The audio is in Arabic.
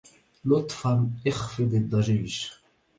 لطفاً، اخفض الضجيج.